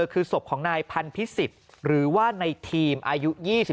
คือศพของนายพันธิสิทธิ์หรือว่าในทีมอายุ๒๓